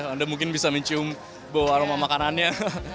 anda mungkin bisa mencium bau aroma makanannya